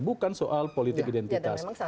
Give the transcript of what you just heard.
bukan soal politik identitas